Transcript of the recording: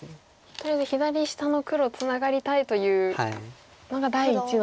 とりあえず左下の黒ツナがりたいというのが第一の。